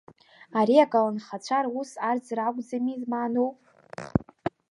Ари аколнхацәа рус арӡра акәӡами измааноу?